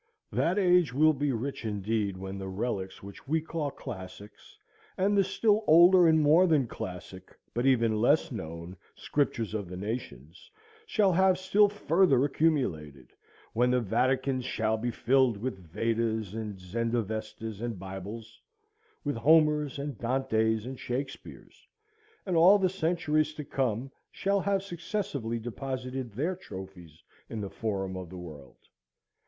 That age will be rich indeed when those relics which we call Classics, and the still older and more than classic but even less known Scriptures of the nations, shall have still further accumulated, when the Vaticans shall be filled with Vedas and Zendavestas and Bibles, with Homers and Dantes and Shakespeares, and all the centuries to come shall have successively deposited their trophies in the forum of the world.